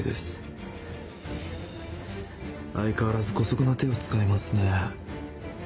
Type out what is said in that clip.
相変わらず姑息な手を使いますね。